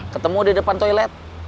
ketemu di depan toilet